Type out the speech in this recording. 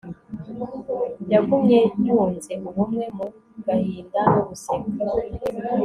yagumye yunze ubumwe mu gahinda no guseka